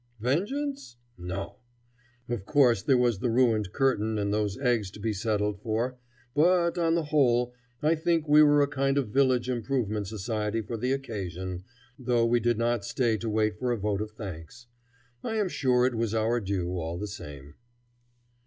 Vengeance? No! Of course there was the ruined curtain and those eggs to be settled for; but, on the whole, I think we were a kind of village improvement society for the occasion, though we did not stay to wait for a vote of thanks. I am sure it was our due all the same.